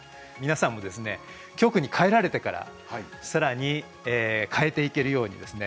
局に帰られてからさらに変えていけるようにですね